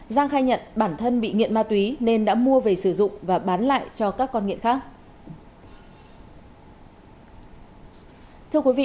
giang khai nhận bản thân bị nghiện ma túy nên đã mua về sử dụng và bán lại cho các con nghiện khác